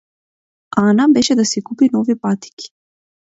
Ана беше да си купи нови патики.